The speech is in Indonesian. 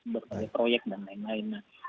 berbagai proyek dan lain lain